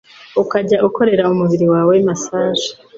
ukajya ukorera umubiri wawe masage